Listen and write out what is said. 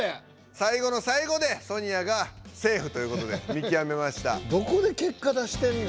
最後の最後でソニアがセーフということで見極めました。